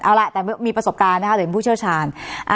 เอาล่ะแต่มีประสบการณ์นะคะหรือเป็นผู้เชี่ยวชาญ